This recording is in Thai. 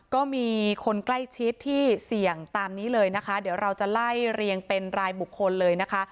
ก็มีคนใกล้ชิดที่เสี่ยงตามนี้เลยนะคะเดี๋ยวเราจะไล่เรียงเป็นรายบุคคลเลยนะคะ